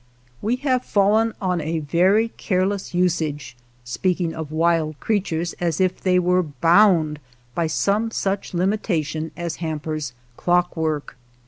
We have fallen on a very careless usage, speaking of wild creatures as if they were bound b^^ some such limitation as hampers clockwork.